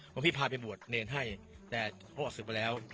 ว่าพี่พาไปบวชเนรให้แต่เขาออกศึกไปแล้ว